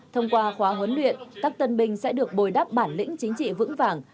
thông qua khóa huấn luyện các tân binh sẽ được bồi đắp bản lĩnh chính trị vững vàng